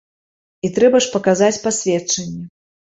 І трэба ж паказаць пасведчанне.